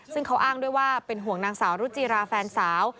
ซึ่งเขาอ้างด้วยว่าเป็นห่วงนางสาวรุจิราแฟนสาว